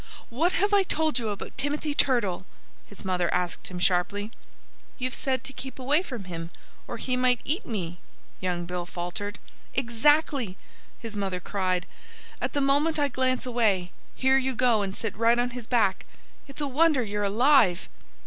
"What have I told you about Timothy Turtle?" his mother asked him sharply. "You've said to keep away from him, or he might eat me," young Bill faltered. "Exactly!" his mother cried. "And the moment I glance away, here you go and sit right on his back! It's a wonder you're alive."